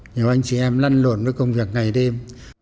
nhiều anh chị em lăn luộn với công việc ngày đêm